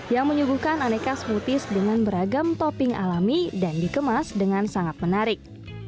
yang menyuguhkan aneka smoothies dengan beragam topping alami dan dikemas dengan sangat menarik